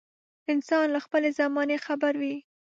انسان له خپلې زمانې خبر وي.